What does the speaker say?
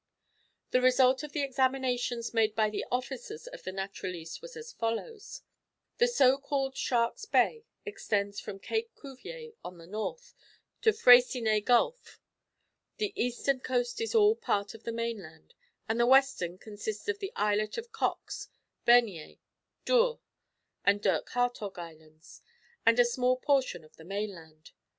"The result of the examinations made by the officers of the Naturaliste was as follows: The so called Shark's Bay extends from Cape Cuvier on the north, to Freycinet Gulf; the eastern coast is all part of the mainland; and the western consists of the islet of Koks, Bernier, Doore, and Dirk Hartog Islands, and a small portion of the mainland.